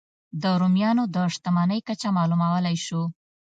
د رومیانو د شتمنۍ کچه معلومولای شو.